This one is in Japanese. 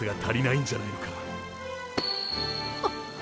あっ。